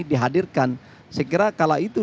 dihadirkan saya kira kala itu